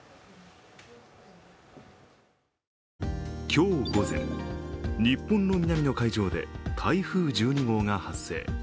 今日午前、日本の南の海上で台風１２号が発生。